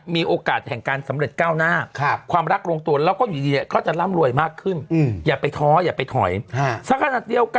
มีโอกาสแห่งการสำเร็จก้าวหน้าความรักลงตัวแล้วก็อยู่ดีเนี่ย